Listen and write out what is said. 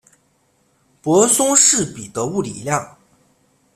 泊松式比的物理量。